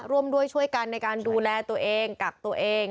ร่วมด้วยช่วยกันในการดูแลตัวเองกักตัวเอง